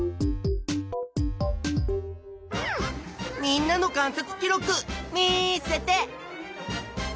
みんなの観察記録見せて！